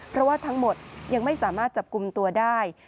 เพราะว่าทั้งหมดยังไม่สามารถจับกลุ่มตัวได้